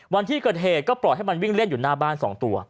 วันที่เกิดเหตุก็ปล่อยให้มันวิ่งเล่นอยู่หน้าบ้าน๒ตัว